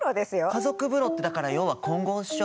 家族風呂ってだから要は混合っしょ？